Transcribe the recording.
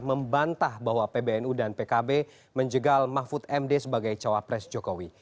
membantah bahwa pbnu dan pkb menjegal mahfud md sebagai cawapres jokowi